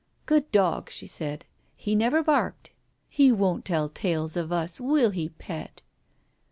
" Good dog !" she said. " He never barked. He won't tell tales of us, will he, pet